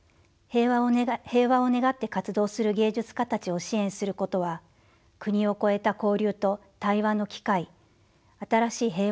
平和を願って活動する芸術家たちを支援することは国を越えた交流と対話の機会新しい平和の基盤の形成につながります。